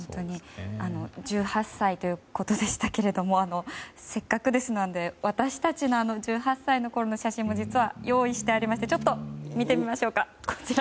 １８歳ということでしたけどもせっかくですので私たちの１８歳のころの写真も実は、用意してありましてちょっと見てみましょうか。